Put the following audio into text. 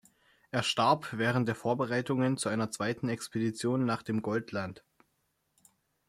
Er starb während der Vorbereitungen zu einer zweiten Expedition nach dem Goldland.